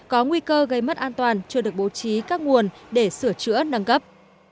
có nguy cơ gây mất an toàn chưa được bố trí các nguồn để sửa chữa nâng cấp